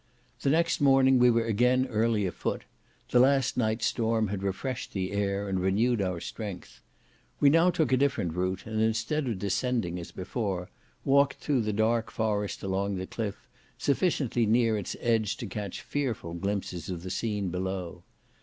The next morning we were again early a foot; the last night's storm had refreshed the air, and renewed our strength. We now took a different route, and instead of descending, as before, walked through the dark forest along the cliff, sufficiently near its edge to catch fearful glimpses of the scene below.